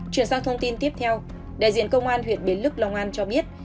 chuyển sang thông tin tiếp theo đại diện công an huyện bến lức long an cho biết